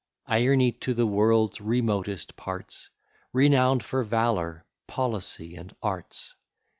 Ierne, to the world's remotest parts, Renown'd for valour, policy, and arts.